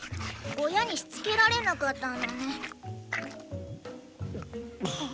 おやにしつけられなかったのね。